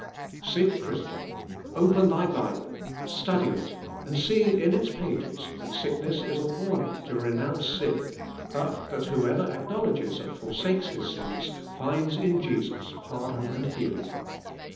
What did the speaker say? Sick Christian, open thy Bible, study it and see in its pages that sickness is a warning to renounce sin, but that who ever acknowledges and forsakes his sins finds in Jesus pardon and healing.